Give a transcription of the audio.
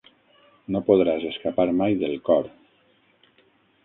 No podràs escapar mai del cor.